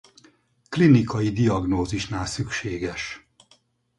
Klinikai diagnózisnál szükséges.